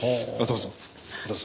どうぞ。